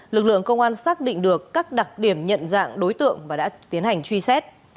lực lượng công an xác định được các đặc điểm nhận dạng đối tượng và đã tiến hành truy xét